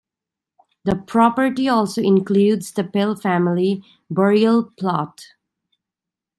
The property also includes the Pell family burial plot.